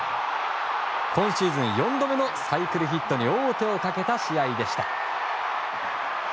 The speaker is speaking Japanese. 今シーズン４度目のサイクルヒットに王手をかけた試合でした。